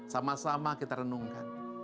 sama sama kita renungkan